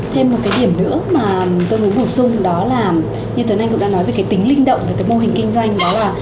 thêm một cái điểm nữa mà tôi muốn bổ sung đó là như tuấn anh cũng đã nói về cái tính linh động về cái mô hình kinh doanh đó là